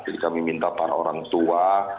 jadi kami minta para orang tua